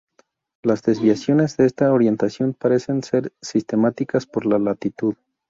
Las desviaciones de esta orientación parecen ser sistemáticas por latitud.